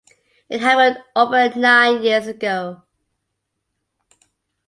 It happened over nine years ago.